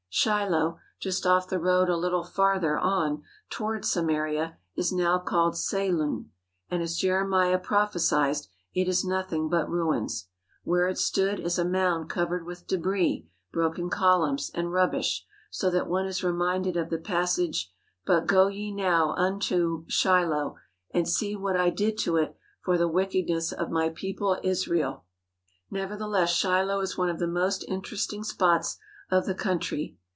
Shiloh, just off the road a little farther on toward Sa maria, is now called Seilun, and, as Jeremiah prophesied, it is nothing but ruins. Where it stood is a mound cov ered with debris, broken columns, and rubbish, so that one is reminded of the passage: "But go ye now unto ... Shiloh ... and see what I did to it for the wickedness of my people Israel/' Nevertheless, Shiloh is one of the most interesting spots of the country.